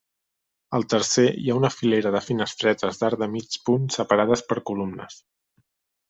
Al tercer hi ha una filera de finestretes d'arc de mig punt separades per columnes.